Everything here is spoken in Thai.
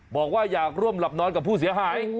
บอกว่าอยากร่วมหลับนอนกับผู้เสียหาย